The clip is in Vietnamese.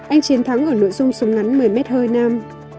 anh chiến thắng ở nội dung súng ngắn một mươi mét hơi nam